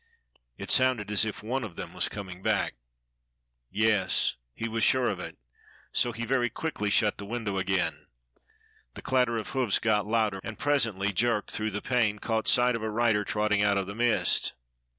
It sounded as if one of them was coming back. Yes, he was sure of it! So he very quickly shut the window again. The clatter of hoofs got louder, and presently Jerk, through the pane, caught sight of a rider trotting out of the mist.